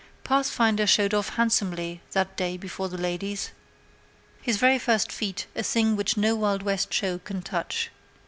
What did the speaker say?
Pathfinder showed off handsomely that day before the ladies. His very first feat was a thing which no Wild West show can touch.